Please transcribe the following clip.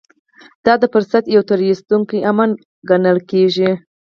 دا د فرصت يو تېر ايستونکی عمل ګڼل کېږي.